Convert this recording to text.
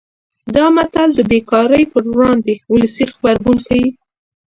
دا متل د بې کارۍ پر وړاندې ولسي غبرګون ښيي